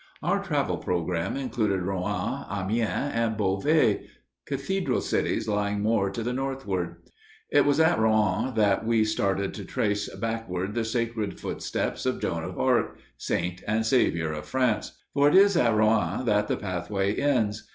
Our travel program included Rouen, Amiens, and Beauvais, cathedral cities lying more to the northward. It was at Rouen that we started to trace backward the sacred footsteps of Joan of Arc, saint and savior of France. For it is at Rouen that the pathway ends.